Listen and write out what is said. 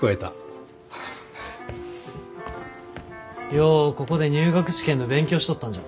ようここで入学試験の勉強しとったんじゃ。